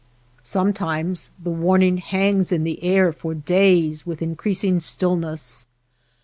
Some times the warning hangs in the air for days ^ with increasing stillness.